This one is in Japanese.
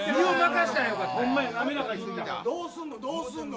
どうすんの。